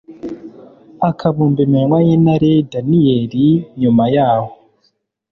akabumba iminwa y intare daniyeli nyuma yahoo